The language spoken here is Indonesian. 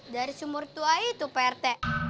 dari sumur tua itu prt